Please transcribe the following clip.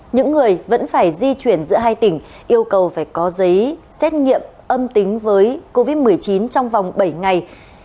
những người vẫn phải di chuyển giữa hai tỉnh yêu cầu phải có giấy xét nghiệm âm tính với covid một mươi chín trong vòng bảy ngày